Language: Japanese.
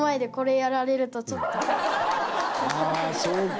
ああそうか。